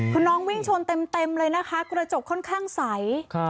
คือน้องวิ่งชนเต็มเลยนะคะกระจกค่อนข้างใส